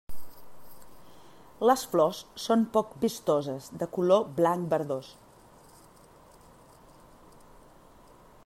Les flors són poc vistoses de color blanc verdós.